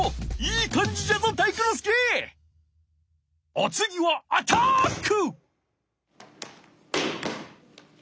おつぎはアタック。